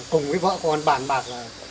cùng với vợ con bàn bạc